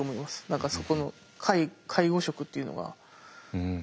何かそこの介護職っていうのが。